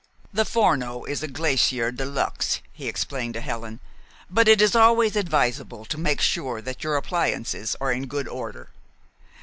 "The Forno is a glacier de luxe," he explained to Helen; "but it is always advisable to make sure that your appliances are in good order.